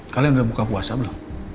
kalian udah buka puasa belum